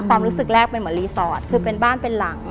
ความรู้สึกแรกเป็นเหมือนรีสอร์ทคือเป็นบ้านเป็นหลัง